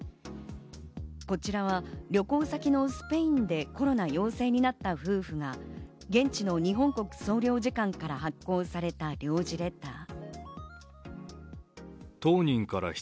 こちらは旅行先のスペインでコロナ陽性になった夫婦が現地の日本国総領事館から発行された領事レター。